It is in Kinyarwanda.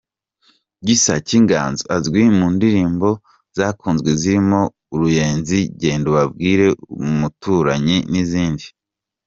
Gisa cy’Inganzo azwi mu ndirimbo zakunzwe zirimo ‘Uruyenzi’, ‘Genda ubabwire’, ‘Umuturanyi’ n’izindi.